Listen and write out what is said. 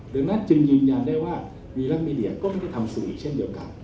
ดังนั้นจึงยืนยันได้ว่าวีรักมีเดียก็ไม่ได้ทำสูงอีกเช่นเดียวกัน